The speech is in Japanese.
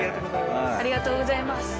ありがとうございます。